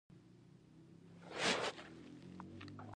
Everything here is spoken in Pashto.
هغې ته یې ولیکل چې شاه عالم ډهلي ته راتګ وځنډوي.